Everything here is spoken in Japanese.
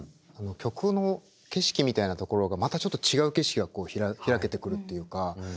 曲の景色みたいなところがまたちょっと違う景色が開けてくるっていうか